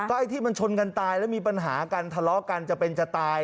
ไอ้ที่มันชนกันตายแล้วมีปัญหากันทะเลาะกันจะเป็นจะตาย